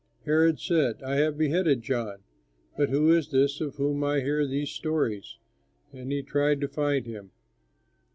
Herod said, "I have beheaded John; but who is this of whom I hear these stories?" And he tried to find him.